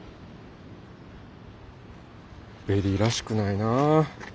ベリーらしくないなあ。